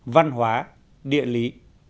văn hóa địa lý